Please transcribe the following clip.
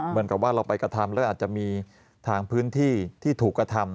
เหมือนกับว่าเราไปกระทำแล้วอาจจะมีทางพื้นที่ที่ถูกกระทำ